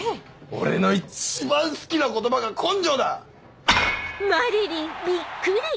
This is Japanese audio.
俺の一番好きな言葉が「根性」だ！